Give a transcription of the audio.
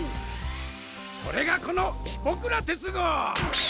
それがこのヒポクラテス号！